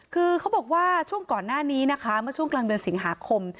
คือเขาบอกว่าช่วงก่อนหน้านี้นะคะเมื่อช่วงกลางเดือนสิงหาคม